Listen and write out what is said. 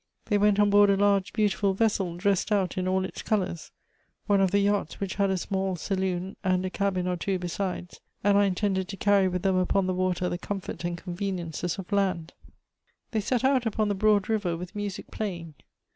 They went on board a large beautiful vessel dressed out in all its colors, — one of the yachts which had a small sal6on and a cabin or two besides, and are intended to carry with them upon the water the comfort and conveniences of land. Elective Affinities. 257 " They set out upon the broarl river with music playing.